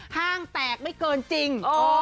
ห้างแตกไม่เกินจริง